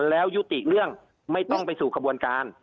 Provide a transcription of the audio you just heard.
แล้วยุติเรื่องไม่ต้องไปสู่กระบวนการ